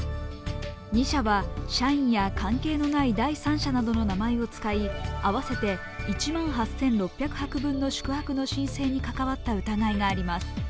２社は社員や関係のない第三者の名前を使い合わせて１万８６００泊分の宿泊の申請に関わった疑いがあります。